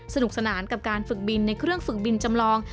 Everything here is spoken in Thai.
สนุกสนานกับการฝึกบินในเครื่องฝึกบินจำลอง